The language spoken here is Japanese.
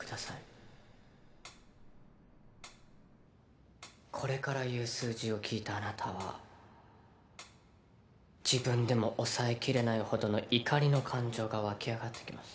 カンカンカンこれから言う数字を聞いたあなたは自分でも抑えきれないほどの怒りの感情が沸き上がってきます。